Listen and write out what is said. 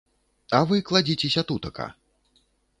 А вы кладзіцеся тутака.